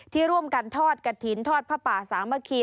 ที่ร่วมกันทอดกระถิ่นทอดผ้าป่าสามัคคี